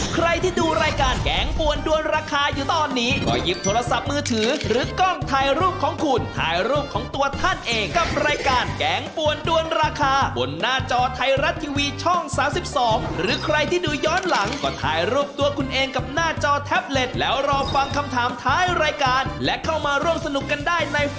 ใครที่ดูรายการแกงปวนด้วนราคาอยู่ตอนนี้ก็หยิบโทรศัพท์มือถือหรือกล้องถ่ายรูปของคุณถ่ายรูปของตัวท่านเองกับรายการแกงปวนด้วนราคาบนหน้าจอไทยรัฐทีวีช่อง๓๒หรือใครที่ดูย้อนหลังก็ถ่ายรูปตัวคุณเองกับหน้าจอแท็บเล็ตแล้วรอฟังคำถามท้ายรายการและเข้ามาร่วมสนุกกันได้ใน